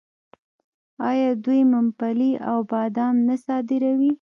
آیا دوی ممپلی او بادام نه صادروي؟